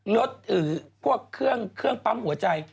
รถพวกเครื่องเครื่องปั๊มหัวใจ